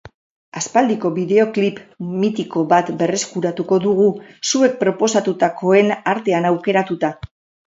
Aspaldiko bideoklip mitiko bat berreskuratuko dugu, zuek proposatutakoen artean aukeratuta.